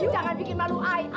jangan bikin malu i